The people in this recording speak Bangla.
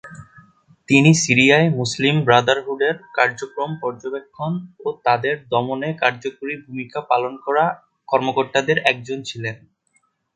তিনি সিরিয়ায় মুসলিম ব্রাদারহুডের কার্যক্রম পর্যবেক্ষণ ও তাদের দমনে কার্যকরী ভূমিকা পালন করা কর্মকর্তাদের একজন ছিলেন।